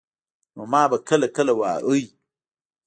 نو ما به کله کله واهه.